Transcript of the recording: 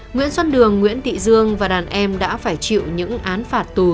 nguyễn xuân đường nguyễn thị dương và đàn em đã phải chịu những án phạt tù